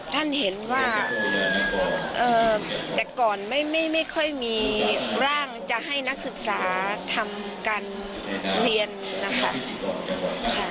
ท่านเห็นว่าแต่ก่อนไม่ค่อยมีร่างจะให้นักศึกษาทำการเรียนนะคะ